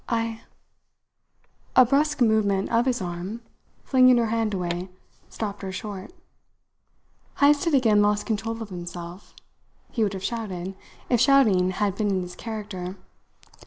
I " A brusque movement of his arm, flinging her hand away, stopped her short. Heyst had again lost control of himself. He would have shouted, if shouting had been in his character.